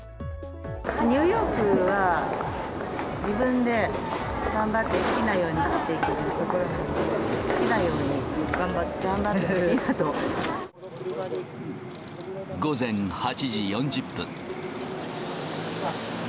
ニューヨークは、自分で頑張って、好きなように生きていける所なんで、好きなように頑張ってほしい午前８時４０分。